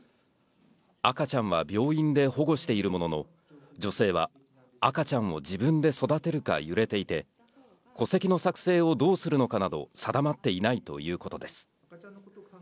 赤ちゃんは病院で保護しているものの、女性は赤ちゃんを自分で育てるか揺れていて、戸籍の作成をどうするのかなど、定まっていないということです。